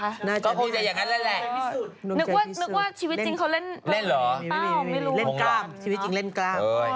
ก็คงจะอย่างนั้นแหละนึกว่าชีวิตจริงเขาเล่นเล่นหรอเล่นกล้ามชีวิตจริงเล่นกล้าม